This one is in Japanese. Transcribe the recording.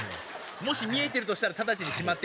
もし見えてるとしたら直ちにしまってください。